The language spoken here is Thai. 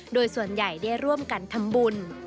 โดยส่วนใหญ่ได้ร่วมกันทำบุญ